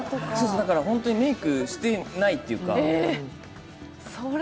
だからメイクをしてないっていうか。